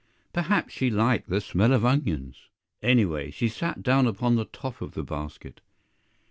Perhaps she liked the smell of onions! Anyway, she sat down upon the top of the basket.